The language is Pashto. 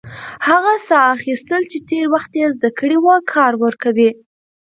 هغه ساه اخیستل چې تېر وخت يې زده کړی و، کار ورکوي.